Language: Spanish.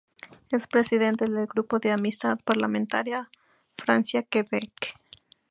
Es presidente del Grupo de amistad parlamentaria Francia-Quebec.